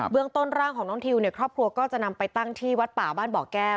เรื่องต้นร่างของน้องทิวเนี่ยครอบครัวก็จะนำไปตั้งที่วัดป่าบ้านบ่อแก้ว